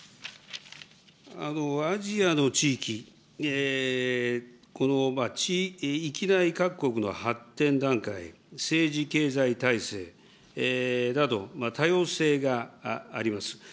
アジアの地域、この域内各国の発展段階、政治経済体制など、多様性があります。